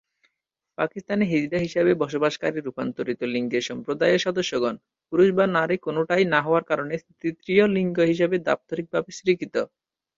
পাকিস্তানে, হিজড়া হিসেবে বসবাসকারী রূপান্তরিত লিঙ্গের সম্প্রদায়ের সদস্যগণ পুরুষ বা নারী কোনটাই না হওয়ার কারণে তৃতীয় লিঙ্গ হিসেবে দাপ্তরিকভাবে স্বীকৃত।